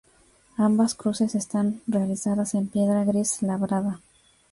Ambas cruces están realizadas en piedra gris labrada.